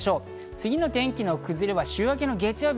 次の天気の崩れは週明けの月曜日。